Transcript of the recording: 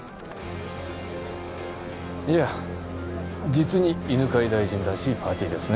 いや実に犬飼大臣らしいパーティーですね。